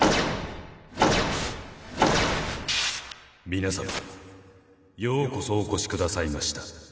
皆さまようこそお越しくださいました。